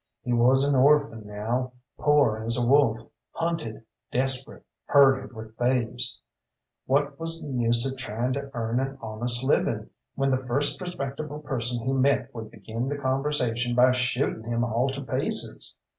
He was an orphan now, poor as a wolf, hunted, desperate, herded with thieves. What was the use of trying to earn an honest living when the first respectable person he met would begin the conversation by shooting him all to pieces?